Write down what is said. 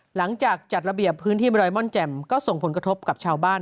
หลังจากจัดระเบียบพื้นที่บอยม่อนแจ่มก็ส่งผลกระทบกับชาวบ้าน